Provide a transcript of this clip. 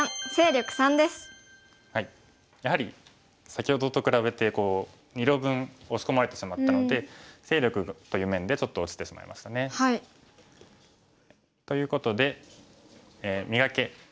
やはり先ほどと比べて２路分押し込まれてしまったので勢力という面でちょっと落ちてしまいましたね。ということで「磨け！